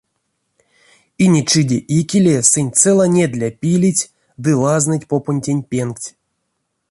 Инечиде икеле сынь цела недля пилить ды лазныть попонтень пенгть.